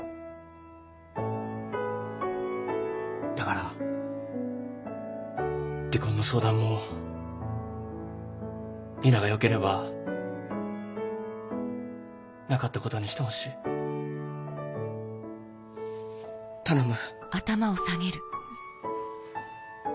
だから離婚の相談も里奈がよければなかったことにしてほしい。頼む。